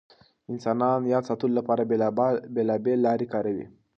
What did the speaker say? انسانان د یاد ساتلو لپاره بېلابېل لارې کاروي.